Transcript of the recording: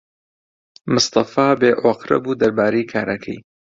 مستەفا بێئۆقرە بوو دەربارەی کارەکەی.